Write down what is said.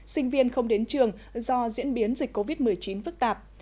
sinh viên không đến trường do diễn biến dịch covid một mươi chín phức tạp